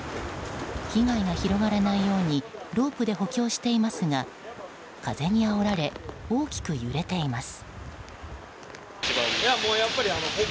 被害が広がらないようにロープで補強していますが風にあおられ大きく揺れています。